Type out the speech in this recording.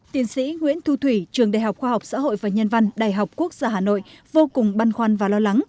tiến sĩ nguyễn thu thủy trường đại học khoa học xã hội và nhân văn đại học quốc gia hà nội vô cùng băn khoăn và lo lắng